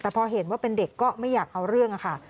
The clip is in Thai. แต่พอเห็นว่าเป็นเด็กก็ไม่อยากเอาเรื่องค่ะ